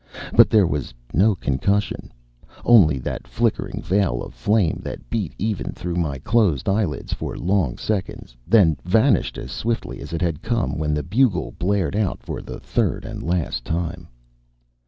But there was no concus sion — only that flickering veil of flame that beat even through my closed eyelids for long seconds, then vanished as swiftly as it had come when the bugle blared out for the third and last time.